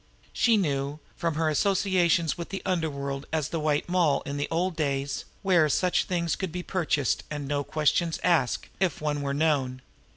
She knew, from her associations with the underworld as the White Moll in the old days, where such things could be purchased and no questions asked, if one were known.